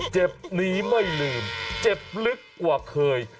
เจ็บหนีไม่ลืมเจ็บลึกกว่าเคย